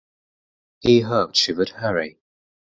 He hoped she would hurry.